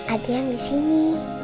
ada yang di sini